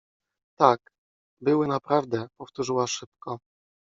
— Tak, były naprawdę! — powtórzyła szybko.